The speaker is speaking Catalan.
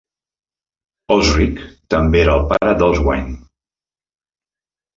Osric també era el pare d'Oswine.